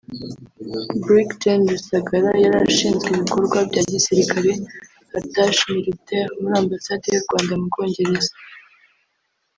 Brig Gen Rusagara yari ashinzwe ibikorwa bya gisirikari (attaché militaire) muri Ambasade y’u Rwanda mu Bwongereza